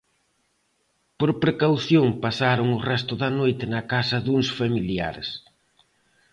Por precaución pasaron o resto da noite na casa duns familiares.